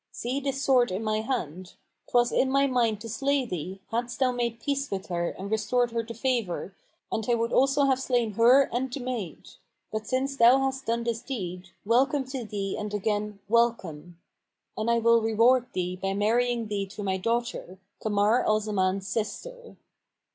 See this sword in my hand. 'Twas in my mind to slay thee, hadst thou made peace with her and restored her to favour, and I would also have slain her and the maid. But since thou hast done this deed, welcome to thee and again welcome! And I will reward thee by marrying thee to my daughter, Kamar al Zaman's sister."